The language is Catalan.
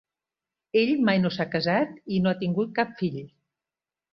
Ell mai no s'ha casat i no ha tingut cap fill.